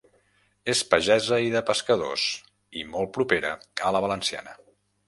És pagesa i de pescadors, i molt propera a la valenciana.